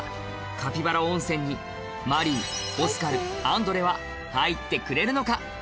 カピバラ温泉にマリーオスカルアンドレは入ってくれるのか？